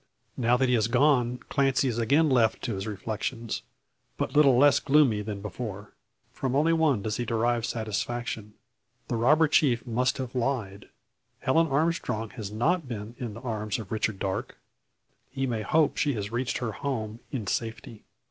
Now that he is gone, Clancy is again left to his reflections, but little less gloomy than before. From only one does he derive satisfaction. The robber chief must have lied. Helen Armstrong has not been in the arms of Richard Darke. He may hope she has reached her home in safety.